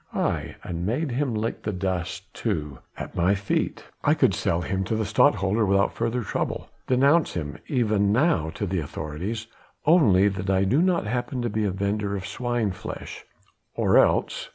aye! and made him lick the dust, too, at my feet? I could sell him to the Stadtholder without further trouble denounce him even now to the authorities only that I do not happen to be a vendor of swine flesh or else...."